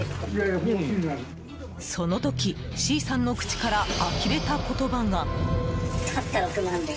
その時、Ｃさんの口からあきれた言葉が。